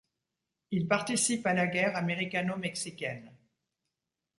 Il participe à la guerre américano-mexicaine.